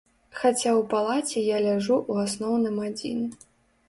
Хаця ў палаце я ляжу ў асноўным адзін.